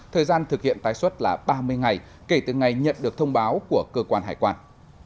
thời gian thực hiện tái xuất là ba mươi ngày kể từ ngày nhận được thông báo của cơ quan hải quan